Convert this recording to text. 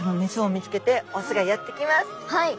はい。